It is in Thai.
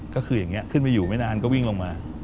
ก็คืออย่างนี้ขึ้นไปอยู่ไม่นานก็วิ่งลงมา